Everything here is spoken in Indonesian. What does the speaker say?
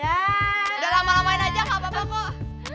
udah lama lamain aja gak apa apa kok